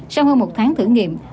sau hơn một tháng thử nghiệm